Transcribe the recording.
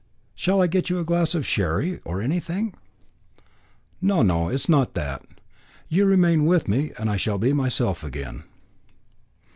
"Shall I get you a glass of sherry, or anything?" "No, no, it is not that. You remain with me and I shall be myself again."